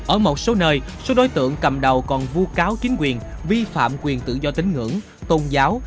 ở một số nơi số đối tượng cầm đầu còn vu cáo chính quyền vi phạm quyền tự do tính ngưỡng tôn giáo